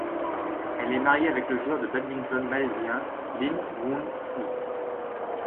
Elle est mariée avec le joueur de badminton malaisien Lin Woon Fui.